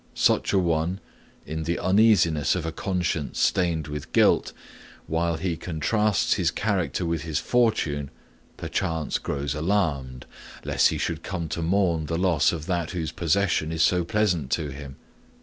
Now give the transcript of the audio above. Such a one, in the uneasiness of a conscience stained with guilt, while he contrasts his character with his fortune, perchance grows alarmed lest he should come to mourn the loss of that whose possession is so pleasant to him.